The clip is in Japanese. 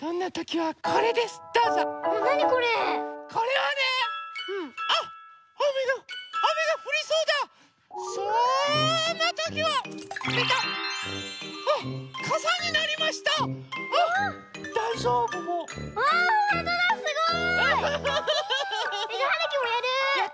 はい。